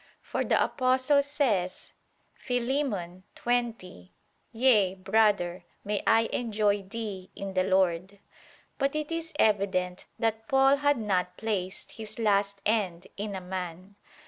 For the Apostle says (Philem. 20): "Yea, brother, may I enjoy thee in the Lord." But it is evident that Paul had not placed his last end in a man.